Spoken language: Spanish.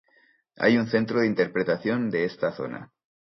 Hay un centro de interpretación de esta zona.